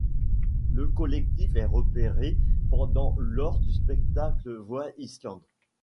Le collectif est repéré pendant lors du spectacle Void Island.